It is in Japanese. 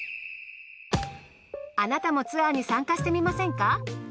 あなたもツアーに参加してみませんか。